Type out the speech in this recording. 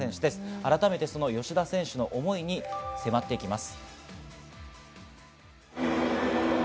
改めて吉田選手の思いに迫っていきます。